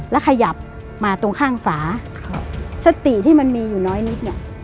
แล้วขยับมาตรงข้างฝาครับสติที่มันมีอยู่น้อยนิดเนี่ย